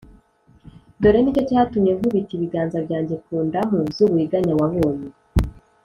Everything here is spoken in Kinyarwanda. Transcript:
Dore ni cyo cyatumye nkubita ibiganza byanjye ku ndamu z’uburiganya wabonye,